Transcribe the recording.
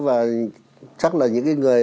và chắc là những người